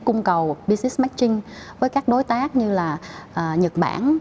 cung cầu business matching với các đối tác như là nhật bản